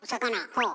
ほう。